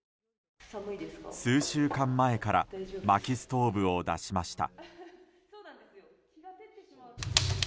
数週間前からまきストーブを出しました。